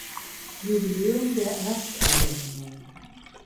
Jubiläum der Ersterwähnung.